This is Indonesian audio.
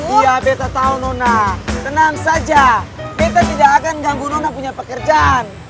iya betta tahu nona tenang saja betta tidak akan ganggu nona punya pekerjaan